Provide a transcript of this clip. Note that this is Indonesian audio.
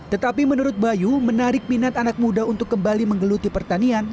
tetapi menurut bayu menarik minat anak muda untuk kembali menggeluti pertanian